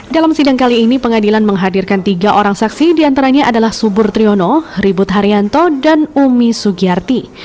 dalam sidang kali ini pengadilan menghadirkan tiga orang saksi diantaranya adalah subur triyono ribut haryanto dan umi sugiyarti